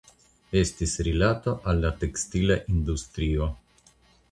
Estis rilato al la tekstila industrio.